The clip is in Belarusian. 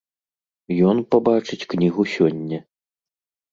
Ён пабачыць кнігу сёння.